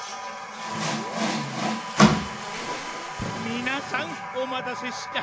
みなさんおまたせした。